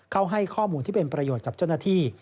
เขาให้ข้อมูลที่เป็นประโยชน์กับเจ้าหน้าที่